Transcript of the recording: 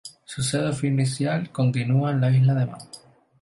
Su sede oficial continúa en la Isla de Man.